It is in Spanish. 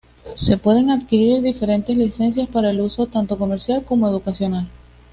Se pueden adquirir diferentes licencias para el uso tanto comercial como educacional.